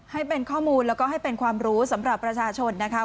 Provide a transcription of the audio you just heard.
ให้เป็นข้อมูลแล้วก็ให้เป็นความรู้สำหรับประชาชนนะคะ